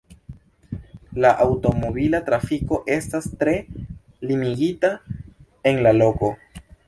La aŭtomobila trafiko estas tre limigita en la loko.